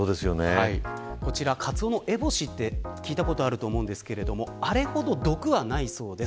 こちらカツオノエボシって聞いたことあると思いますがあれほどの毒はないそうです。